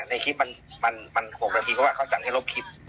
ในคลิปมัน๖นาทีก็ว่าเขาสั่งให้รถพลิบ